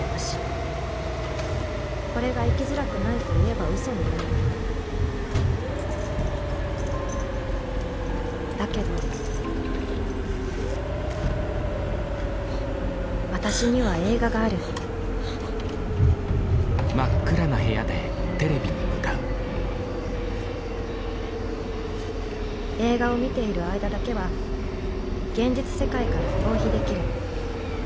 これが生きづらくないといえばウソになるだけど私には映画がある映画を見ている間だけは現実世界から逃避できる。